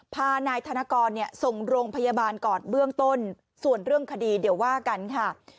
พานายธนกรเนี่ยส่งโรงพยาบาลก่อนเบื้องต้นส่วนเรื่องคดีเดี๋ยวว่ากันค่ะ